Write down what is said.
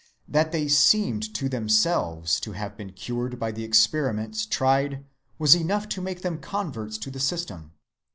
That they seemed to themselves to have been cured by the experiments tried was enough to make them converts to the system.